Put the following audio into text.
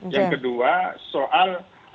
yang kedua soal